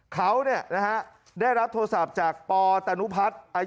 เขาเนี่ยนะครับได้รับโทรศัพท์จากปอตนุพัฒน์